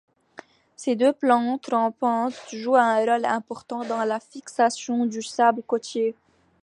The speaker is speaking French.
Ces deux plantes rampantes jouent un rôle important dans la fixation du sable côtier.